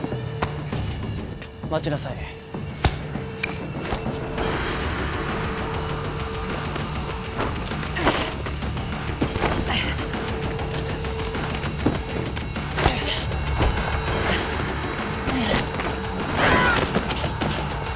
待ちなさいうわっ！